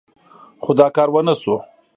خو دا کار ونه شو.